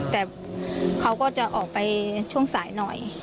แต่เขาก็จะออกไปช่วงสายหน่อย